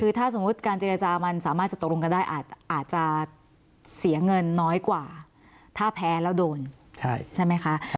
คือถ้าสมมุติการเจรจามันสามารถจะตกลงกันได้อาจจะเสียเงินน้อยกว่าถ้าแพ้แล้วโดนใช่ไหมคะ